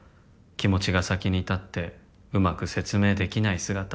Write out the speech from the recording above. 「気持ちが先に立ってうまく説明できない姿」